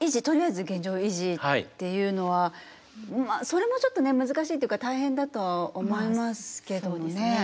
とりあえず現状維持っていうのはまあそれもちょっとね難しいっていうか大変だとは思いますけどね。